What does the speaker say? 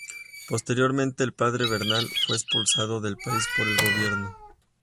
Posteriormente el padre Bernal fue expulsado del país por el gobierno.